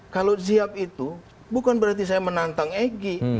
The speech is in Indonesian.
kalau siap itu bukan berarti saya menantang eg